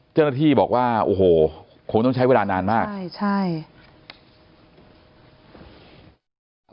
เจ้าหน้าที่บอกว่าโอ้โหคงต้องใช้เวลานานมากใช่ใช่